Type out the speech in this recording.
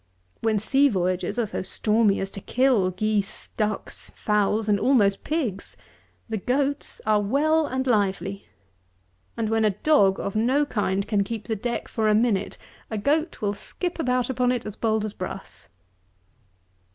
When sea voyages are so stormy as to kill geese, ducks, fowls, and almost pigs, the goats are well and lively; and when a dog of no kind can keep the deck for a minute, a goat will skip about upon it as bold as brass.